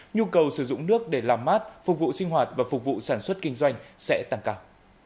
nhu cầu sử dụng nước để làm mát phục vụ sinh hoạt và phục vụ sản xuất kinh doanh sẽ tăng cao